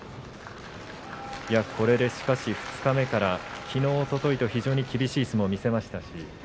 これで二日目からきのう、おとといと非常に厳しい相撲を見せました。